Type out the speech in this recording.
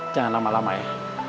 jangan lama lama ya